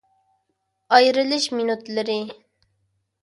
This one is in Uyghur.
ئايرىلىش مىنۇتلىرى